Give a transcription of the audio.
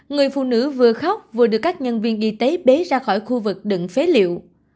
người phụ nữ vừa khóc vừa được các nhân viên y tế bế ra khỏi khu vực đựng phế liệu